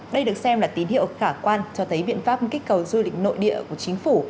đây được xem là tín hiệu khả quan cho thấy biện pháp kích cầu du lịch nội địa của chính phủ